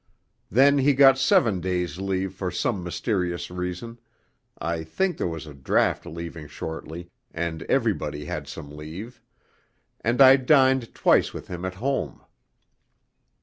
Then he got seven days' leave for some mysterious reason (I think there was a draft leaving shortly, and everybody had some leave), and I dined twice with him at home.